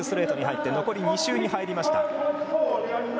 残り２周に入りました。